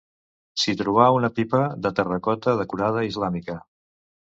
S'hi trobà una pipa de terracota decorada islàmica.